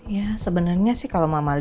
ya sebenernya sih kalau mama lihat elsa itu